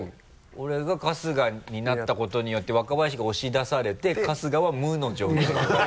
俺が春日になったことによって若林が押し出されて春日は無の状態っていうことね？